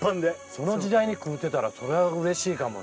その時代に食うてたらそらうれしいかもね。